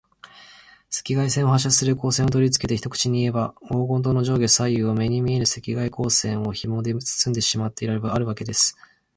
赤外線を発射する光線をとりつけて、一口にいえば、黄金塔の上下左右を、目に見えぬ赤外光線のひもでつつんでしまってあるわけです。